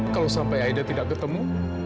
kalau sampai aida tidak ketemu